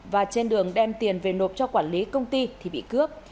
và trên đường đem tiền về nộp cho quản lý công ty thì bị cướp